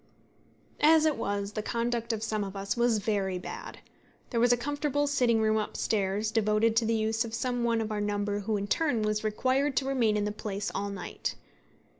As it was, the conduct of some of us was very bad. There was a comfortable sitting room up stairs, devoted to the use of some one of our number who in turn was required to remain in the place all night.